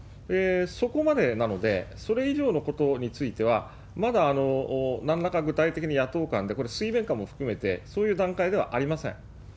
そこまでなので、それ以上のことについては、まだなんらか、具体的に野党間で、これ、水面下も含めて、そういう段階ではありません。